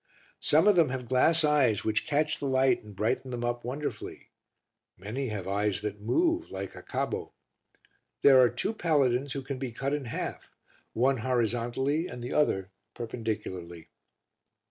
Some of them have glass eyes which catch the light and brighten them up wonderfully. Many have eyes that move like Acabbo. There are two paladins who can be cut in half, one horizontally and other perpendicularly.